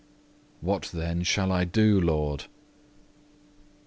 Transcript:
2. What then shall I do, Lord?